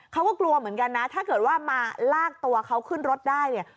เขาก็กลัวเหมือนกันนะถ้าเกิดว่ามาลากตัวเขาขึ้นรถได้เนี่ย